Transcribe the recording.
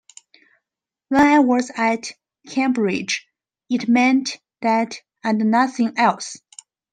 When I was at Cambridge it meant that and nothing else.